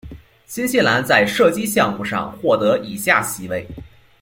新西兰在射击项目上获得以下席位。